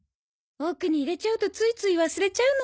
奥に入れちゃうとついつい忘れちゃうのよね。